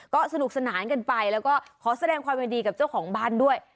ก็สนุกสนานกันไปแล้วก็ขอแสดงความยินดีกับเจ้าของบ้านด้วย